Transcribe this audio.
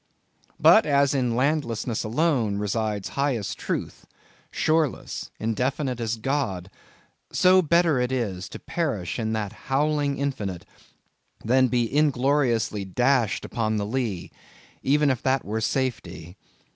But as in landlessness alone resides highest truth, shoreless, indefinite as God—so, better is it to perish in that howling infinite, than be ingloriously dashed upon the lee, even if that were safety!